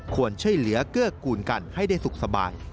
ควรช่วยเหลือเกื้อกูลกันให้ได้สุขสบาย